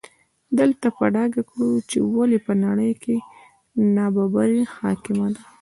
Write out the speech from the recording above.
دلته به په ډاګه کړو چې ولې په نړۍ کې نابرابري حاکمه ده.